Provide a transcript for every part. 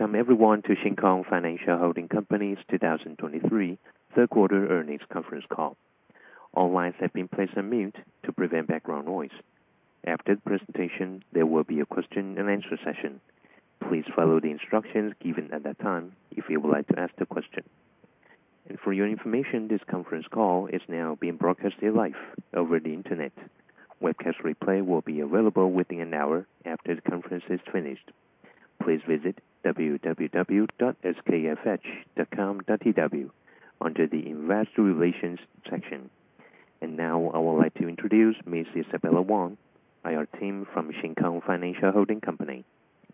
Welcome everyone to Shin Kong Financial Holding Company's 2023 Third Quarter Earnings Conference Call. All lines have been placed on mute to prevent background noise. After the presentation, there will be a question and answer session. Please follow the instructions given at that time if you would like to ask the question. For your information, this conference call is now being broadcasted live over the internet. Webcast replay will be available within an hour after the conference is finished. Please visit www.skfh.com.tw under the Investor Relations section. Now, I would like to introduce Miss Isabella Wang, IR team from Shin Kong Financial Holding Company.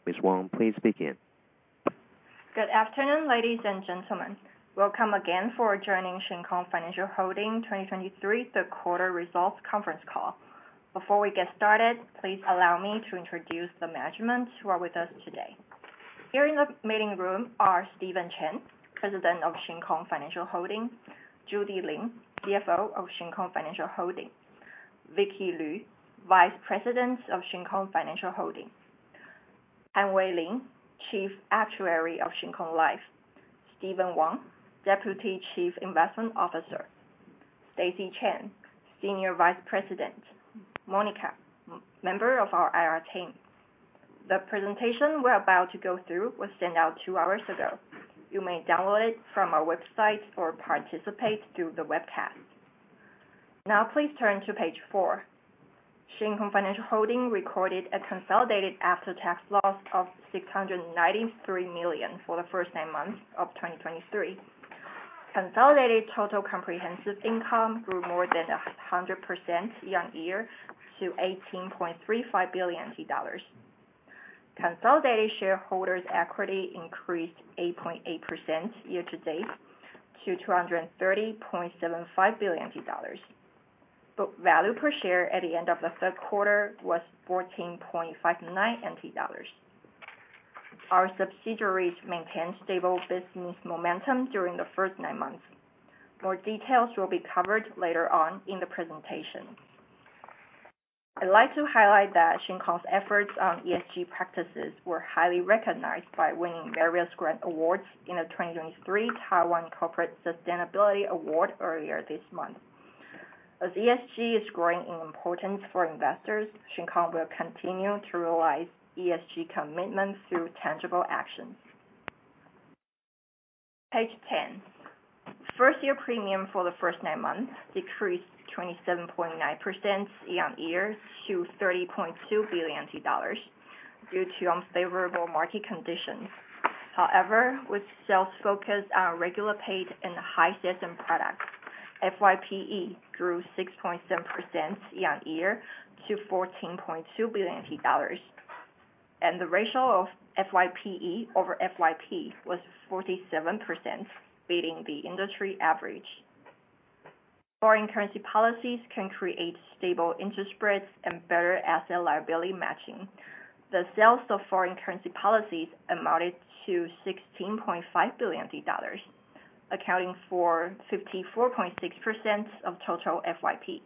Miss Wang, please begin. Good afternoon, ladies and gentlemen. Welcome again for joining Shin Kong Financial Holding 2023 Third Quarter Results Conference Call. Before we get started, please allow me to introduce the management who are with us today. Here in the meeting room are Stephen Chen, President of Shin Kong Financial Holding, Judy Lin, CFO of Shin Kong Financial Holding, Vicky Lu, Vice President of Shin Kong Financial Holding, Han-Wei Lin, Chief Actuary of Shin Kong Life, Steven Wang, Deputy Chief Investment Officer, Stacey Chen, Senior Vice President, Monica, member of our IR team. The presentation we're about to go through was sent out two hours ago. You may download it from our website or participate through the webcast. Now, please turn to page 4. Shin Kong Financial Holding recorded a consolidated after-tax loss of NT$ 693 million for the first nine months of 2023. Consolidated total comprehensive income grew more than 100% year-on-year to 18.35 billion dollars. Consolidated shareholders' equity increased 8.8% year to date, to 230.75 billion dollars. Book value per share at the end of the third quarter was 14.59 NT dollars. Our subsidiaries maintained stable business momentum during the first nine months. More details will be covered later on in the presentation. I'd like to highlight that Shin Kong's efforts on ESG practices were highly recognized by winning various grand awards in the 2023 Taiwan Corporate Sustainability Award earlier this month. As ESG is growing in importance for investors, Shin Kong will continue to realize ESG commitment through tangible actions. Page 10. First year premium for the first nine months decreased 27.9% year-on-year to NT$30.2 billion due to unfavorable market conditions. However, with sales focused on regular pay and high CSM products, FYPE grew 6.7% year-on-year to NT$14.2 billion, and the ratio of FYPE over FYP was 47%, beating the industry average. Foreign currency policies can create stable interest spreads and better asset liability matching. The sales of foreign currency policies amounted to NT$16.5 billion, accounting for 54.6% of total FYP.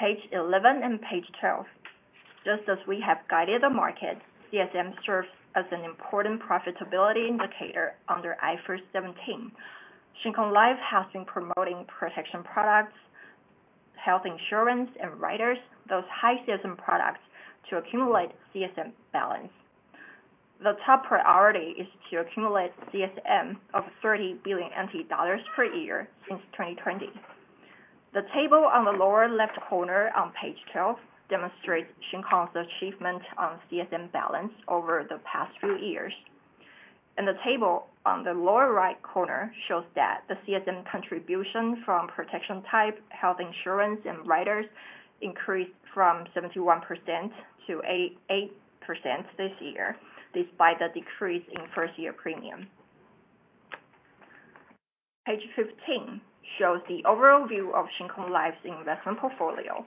Page 11 and page 12. Just as we have guided the market, CSM serves as an important profitability indicator under IFRS 17. Shin Kong Life has been promoting protection products, health insurance, and riders, those high CSM products, to accumulate CSM balance. The top priority is to accumulate CSM of 30 billion dollars per year since 2020. The table on the lower left corner on page 12 demonstrates Shin Kong's achievement on CSM balance over the past few years. The table on the lower right corner shows that the CSM contribution from protection type, health insurance, and riders increased from 71%-88% this year, despite the decrease in first-year premium. Page 15 shows the overall view of Shin Kong Life's investment portfolio.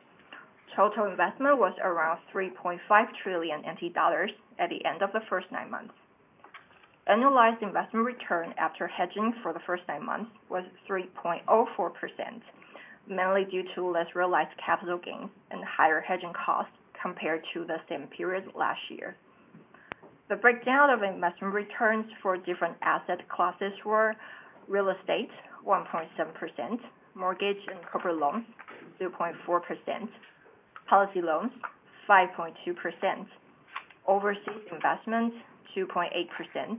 Total investment was around 3.5 trillion NT dollars at the end of the first nine months. Annualized investment return after hedging for the first nine months was 3.04%, mainly due to less realized capital gain and higher hedging costs compared to the same period last year. The breakdown of investment returns for different asset classes were real estate, 1.7%; mortgage and corporate loans, 2.4%; policy loans, 5.2%; overseas investments, 2.8%;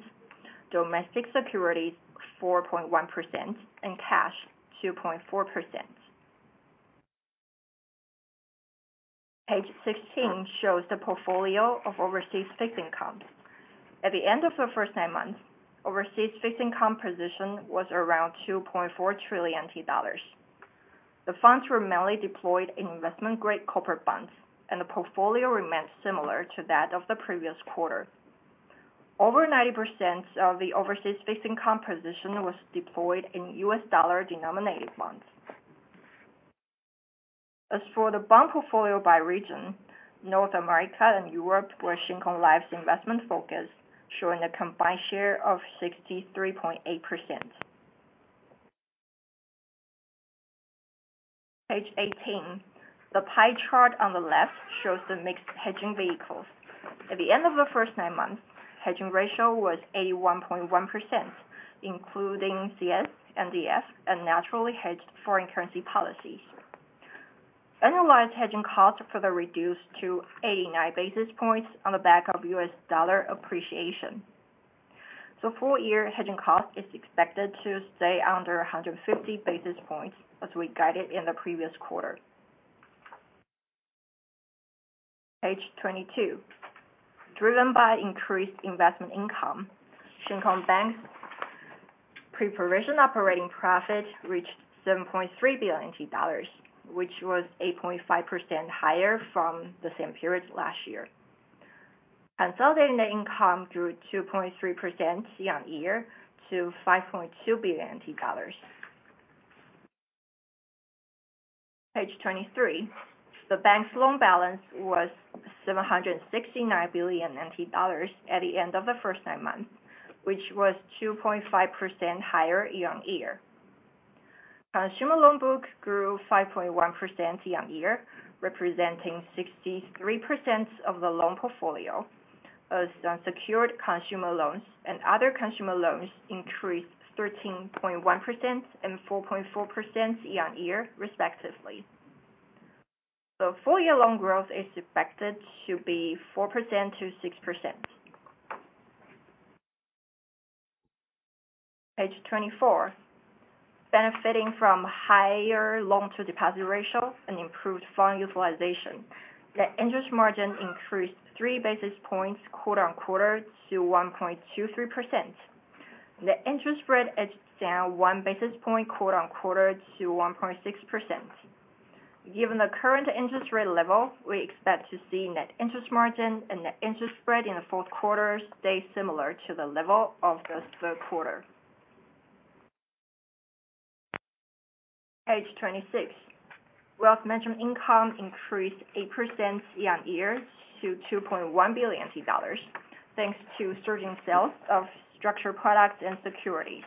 domestic securities, 4.1%; and cash, 2.4%. Page 16 shows the portfolio of overseas fixed income. At the end of the first nine months, overseas fixed income position was around NT$2.4 trillion. The funds were mainly deployed in investment-grade corporate bonds, and the portfolio remained similar to that of the previous quarter. Over 90% of the overseas fixed income position was deployed in US dollar-denominated bonds. As for the bond portfolio by region, North America and Europe were Shin Kong Life's investment focus, showing a combined share of 63.8%.... Page 18. The pie chart on the left shows the mixed hedging vehicles. At the end of the first nine months, hedging ratio was 81.1%, including CS and NDF, and naturally hedged foreign currency policies. Annualized hedging costs further reduced to 89 basis points on the back of US dollar appreciation. So full year hedging cost is expected to stay under 150 basis points, as we guided in the previous quarter. Page 22. Driven by increased investment income, Shin Kong Bank's pre-provision operating profit reached NT$7.3 billion, which was 8.5% higher from the same period last year. Consolidated net income grew 2.3% year-on-year to NT$5.2 billion. Page 23. The bank's loan balance was NT$ 769 billion at the end of the first nine months, which was 2.5% higher year-on-year. Consumer loan book grew 5.1% year-on-year, representing 63% of the loan portfolio, as secured consumer loans and other consumer loans increased 13.1% and 4.4% year-on-year, respectively. The full year loan growth is expected to be 4%-6%. Page 24. Benefiting from higher loan to deposit ratio and improved fund utilization, the interest margin increased three basis points quarter-on-quarter to 1.23%. The interest spread is down one basis point quarter-on-quarter to 1.6%. Given the current interest rate level, we expect to see net interest margin and net interest spread in the fourth quarter stay similar to the level of the third quarter. Page 26. Wealth management income increased 8% year-on-year to NT$2.1 billion, thanks to surging sales of structured products and securities.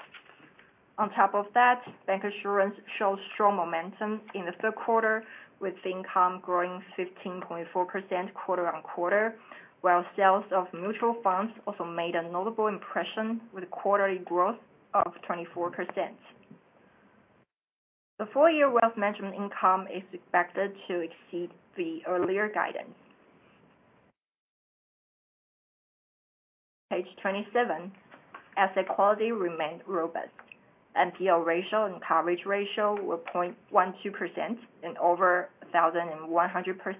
On top of that, bank insurance showed strong momentum in the third quarter, with income growing 15.4% quarter-on-quarter, while sales of mutual funds also made a notable impression, with quarterly growth of 24%. The full year wealth management income is expected to exceed the earlier guidance. Page 27. Asset quality remained robust. NPL ratio and coverage ratio were 0.12% and over 1,100%,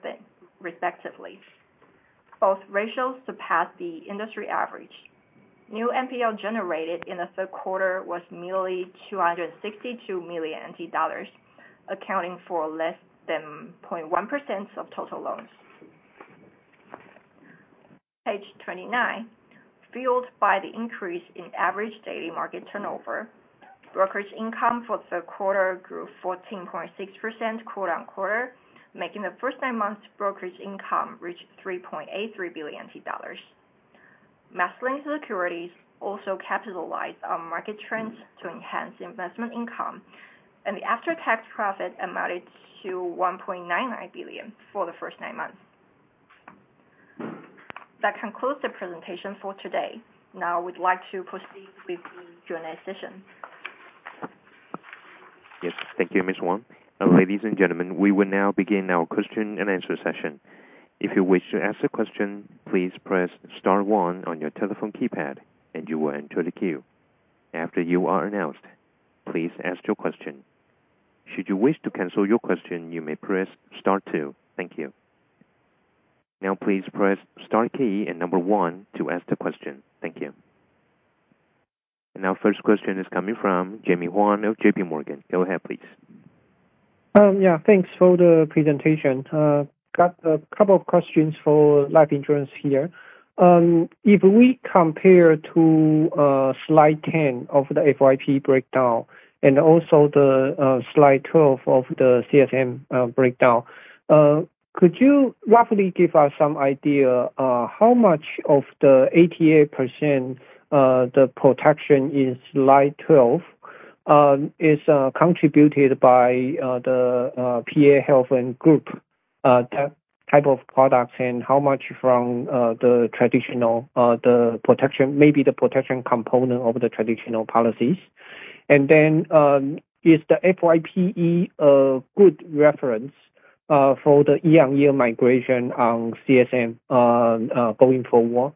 respectively. Both ratios surpassed the industry average. New NPL generated in the third quarter was merely NT$ 262 million, accounting for less than 0.1% of total loans. Page 29. Fueled by the increase in average daily market turnover, brokerage income for the third quarter grew 14.6% quarter-on-quarter, making the first nine months brokerage income reach NT$ 3.83 billion. MasterLink Securities also capitalized on market trends to enhance investment income, and the after-tax profit amounted to NT$ 1.99 billion for the first nine months. That concludes the presentation for today. Now, we'd like to proceed with the Q&A session. Yes. Thank you, Ms. Wang. Ladies and gentlemen, we will now begin our question and answer session. If you wish to ask a question, please press star one on your telephone keypad, and you will enter the queue. After you are announced, please ask your question. Should you wish to cancel your question, you may press star two. Thank you. Now, please press star key and number one to ask the question. Thank you. And our first question is coming from Jemmy Huang of JPMorgan. Go ahead, please. Yeah, thanks for the presentation. Got a couple of questions for life insurance here. If we compare to slide 10 of the FYPE breakdown and also the slide 12 of the CSM breakdown, could you roughly give us some idea how much of the 88% the protection in slide 12 is contributed by the PA, Health, and Group type of products, and how much from the traditional, the protection, maybe the protection component of the traditional policies? And then, is the FYPE a good reference for the year-on-year migration on CSM going forward?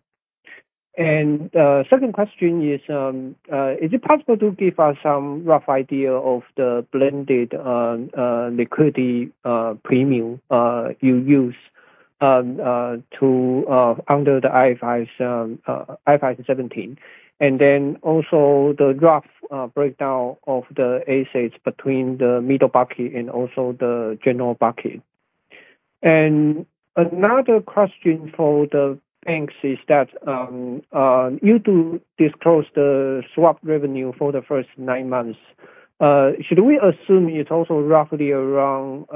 And second question is, is it possible to give us some rough idea of the blended liquidity premium you use to under the IFRS, IFRS 17? And then also the rough breakdown of the assets between the middle bucket and also the general bucket. And another question for the banks is that you do disclose the swap revenue for the first nine months. Should we assume it's also roughly around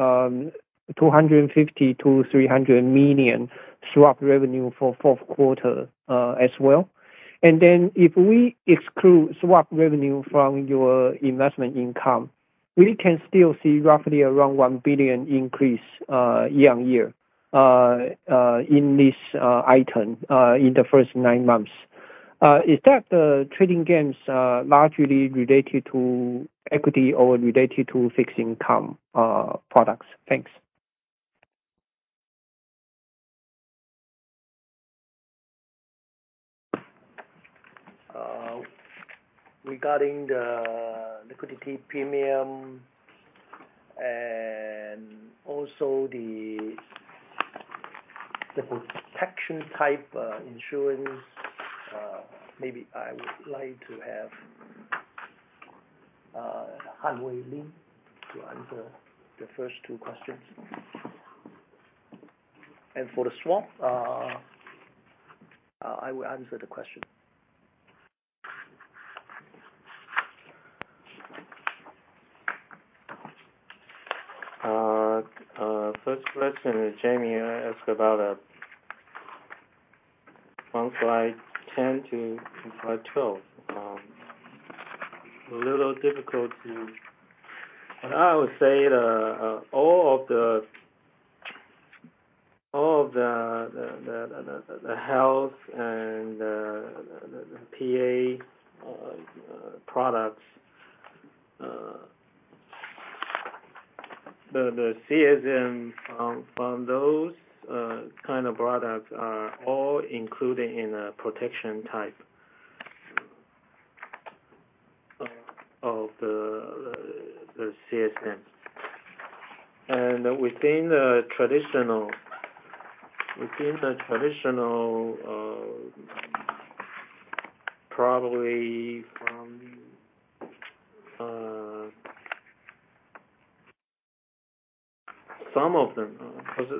250-300 million?... swap revenue for fourth quarter as well. And then if we exclude swap revenue from your investment income, we can still see roughly around 1 billion increase year-on-year in this item in the first nine months. Is that trading gains largely related to equity or related to fixed income products? Thanks. Regarding the liquidity premium and also the protection type insurance, maybe I would like to have Hanwei Lin to answer the first two questions. And for the swap, I will answer the question. First question, Jimmy, ask about on slide 10 to slide 12. A little difficult to... I would say all of the health and the PA products, the CSM from those kind of products are all included in a protection type of the CSM. And within the traditional, probably from some of them, because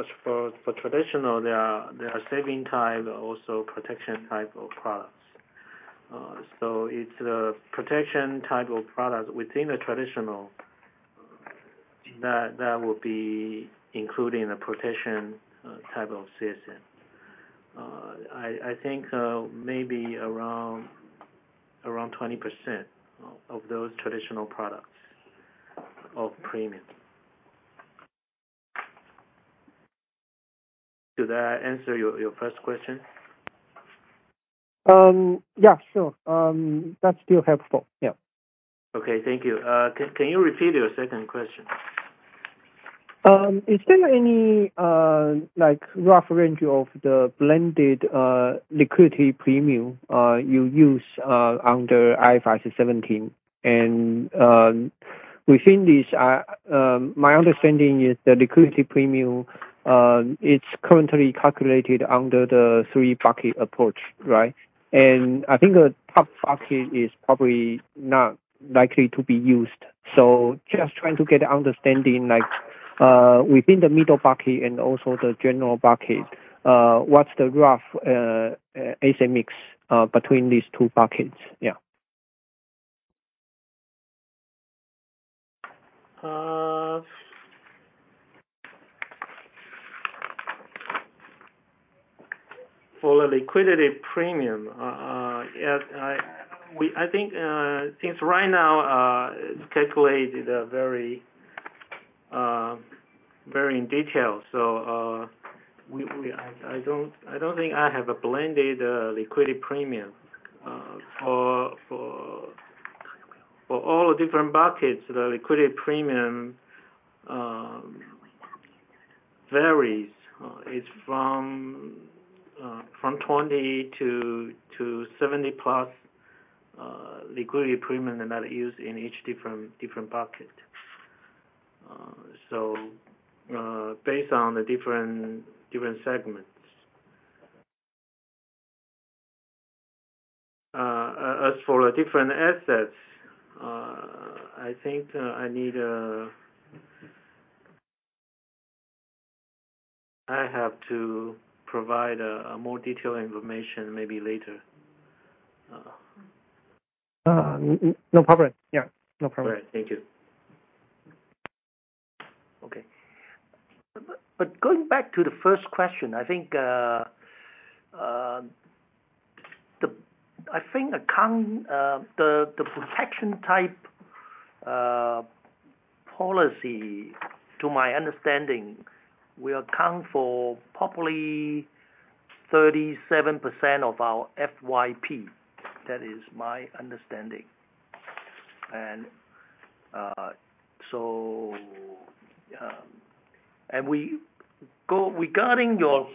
as for traditional, they are saving type, also protection type of products. So it's the protection type of product within the traditional that would be including the protection type of CSM. I think maybe around 20% of those traditional products of premium. Did I answer your first question? Yeah, sure. That's still helpful. Yeah. Okay. Thank you. Can you repeat your second question? Is there any, like, rough range of the blended liquidity premium you use under IFRS 17? And, within this, my understanding is the liquidity premium, it's currently calculated under the three bucket approach, right? And I think the top bucket is probably not likely to be used. So just trying to get an understanding like, within the middle bucket and also the general bucket, what's the rough mix between these two buckets? Yeah. For the liquidity premium, yes, I, we—I think, since right now, it's calculated a very, very in detail, so, we, we... I, I don't, I don't think I have a blended liquidity premium. For all the different buckets, the liquidity premium varies. It's from 20 to 70+ liquidity premium that are used in each different bucket. So, based on the different segments. As for the different assets, I think, I need... I have to provide a more detailed information maybe later. No problem. Yeah, no problem. All right. Thank you. Okay. But going back to the first question, I think the protection type policy, to my understanding, will account for probably 37% of our FYP. That is my understanding. And so, regarding your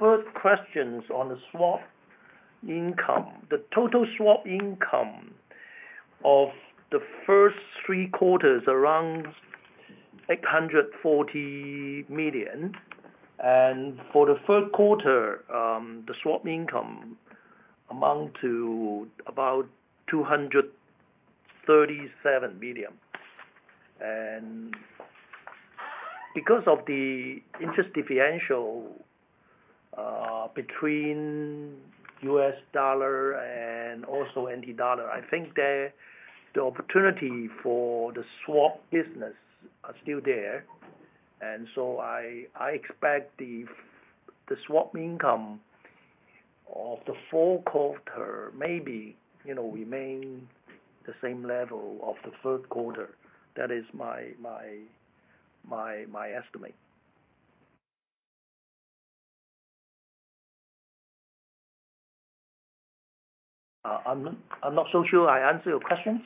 third questions on the swap income, the total swap income of the first three quarters, around 840 million, and for the third quarter, the swap income amount to about 237 million. And because of the interest differential between US dollar and also NT dollar. I think the opportunity for the swap business are still there, and so I expect the swap income of the fourth quarter maybe, you know, remain the same level of the third quarter. That is my estimate. I'm not so sure I answer your question,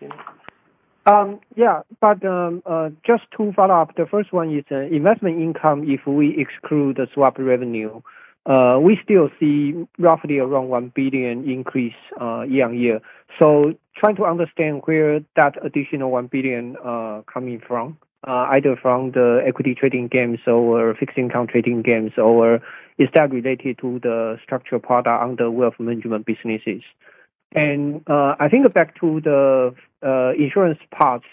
Jemmy? Yeah, but just to follow up, the first one is investment income. If we exclude the swap revenue, we still see roughly around 1 billion increase year-on-year. So trying to understand where that additional 1 billion coming from, either from the equity trading gains or fixed income trading gains, or is that related to the structured product under wealth management businesses? And I think back to the insurance parts,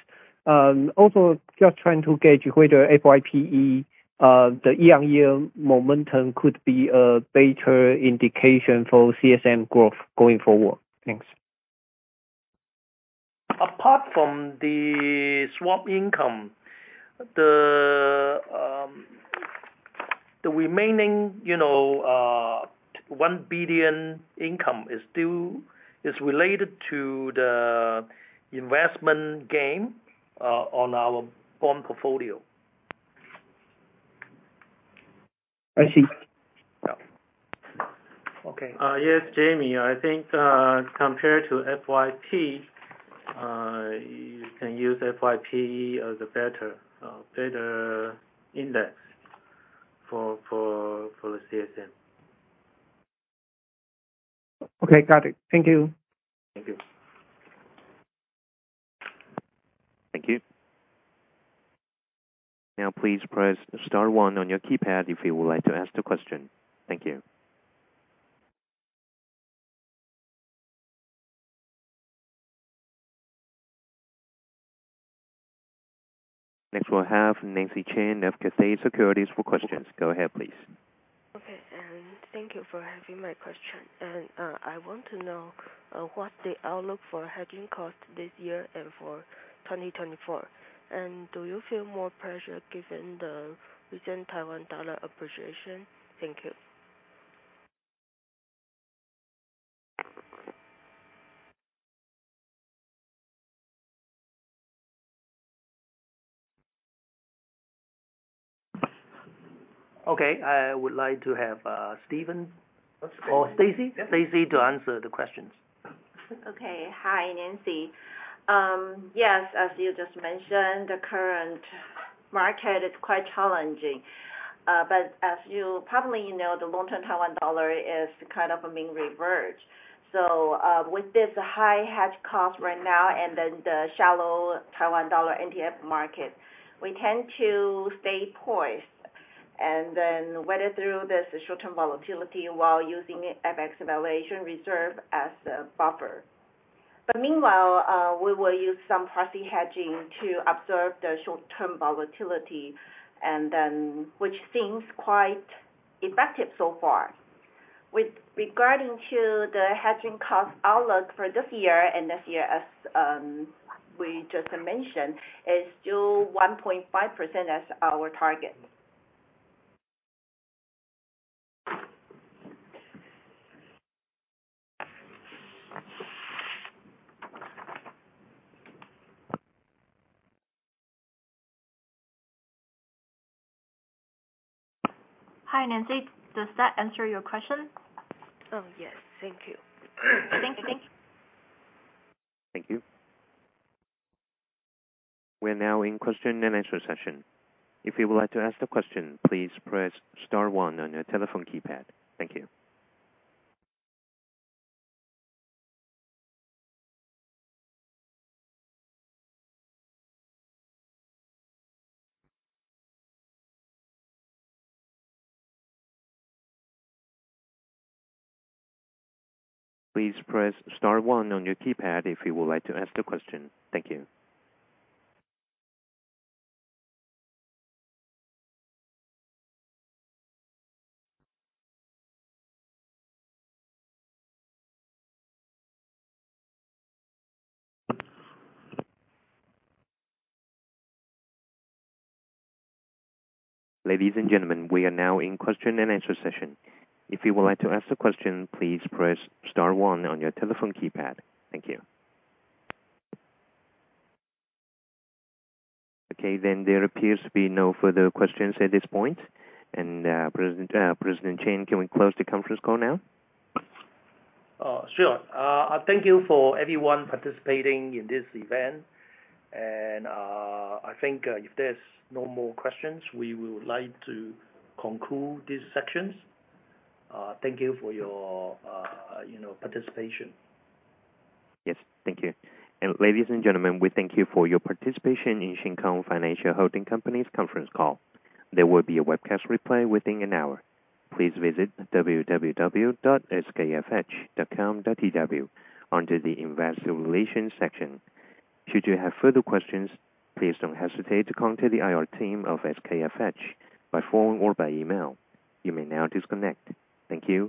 also just trying to gauge whether FYPE, the year-on-year momentum could be a better indication for CSM growth going forward. Thanks. Apart from the swap income, the remaining, you know, NT$1 billion income is due, is related to the investment gain on our bond portfolio. I see. Yeah. Okay. Yes, Jamie, I think, compared to FYP, you can use FYPE as a better, better index for the CSM. Okay. Got it. Thank you. Thank you. Thank you. Now please press star one on your keypad if you would like to ask the question. Thank you. Next, we'll have Nancy Chen of Cathay Securities for questions. Go ahead, please. Okay, and thank you for having my question. I want to know what the outlook for hedging cost this year and for 2024. Do you feel more pressure given the recent Taiwan dollar appreciation? Thank you. Okay. I would like to have, Stephen or Stacey? Stacey, to answer the questions. Okay. Hi, Nancy. Yes, as you just mentioned, the current market is quite challenging. But as you probably know, the long-term Taiwan dollar is kind of being reversed. So, with this high hedge cost right now and then the shallow Taiwan dollar NDF market, we tend to stay poised, and then weather through this short-term volatility while using FX Valuation Reserve as a buffer. But meanwhile, we will use some pricing hedging to absorb the short-term volatility, and then which seems quite effective so far. With regard to the hedging cost outlook for this year and next year, as we just mentioned, is still 1.5% as our target. Hi, Nancy, does that answer your question? Oh, yes. Thank you. Thank you. Thank you. We're now in question and answer session. If you would like to ask the question, please press star one on your telephone keypad. Thank you. Please press star one on your keypad if you would like to ask the question. Thank you. Ladies and gentlemen, we are now in question and answer session. If you would like to ask a question, please press star one on your telephone keypad. Thank you. Okay, then there appears to be no further questions at this point. And, President, President Chen, can we close the conference call now? Sure. Thank you for everyone participating in this event, and I think, if there's no more questions, we would like to conclude this sessions. Thank you for your, you know, participation. Yes. Thank you. Ladies and gentlemen, we thank you for your participation in Shin Kong Financial Holding Company's Conference Call. There will be a webcast replay within an hour. Please visit www.skfh.com.tw under the Investor Relations section. Should you have further questions, please don't hesitate to contact the IR team of SKFH by phone or by email. You may now disconnect. Thank you.